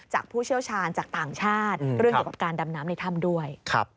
ผู้เชี่ยวชาญจากต่างชาติเรื่องเกี่ยวกับการดำน้ำในถ้ำด้วย